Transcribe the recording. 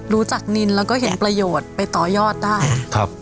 นินแล้วก็เห็นประโยชน์ไปต่อยอดได้ครับ